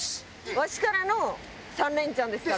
わしからの３連チャンですから。